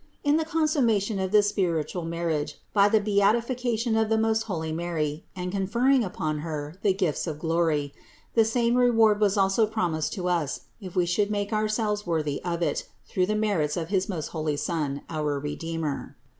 In the consummation of this spiritual marriage by the beatifica tion of the most holy Mary and the conferring upon Her the gifts of glory, the same reward was also prom THE INCARNATION 133 ised to us, if we should make ourselves worthy of it through the merits of his most holy Son, our Redeemer.